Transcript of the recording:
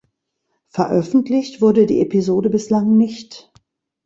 Veröffentlicht wurde die Episode bislang nicht.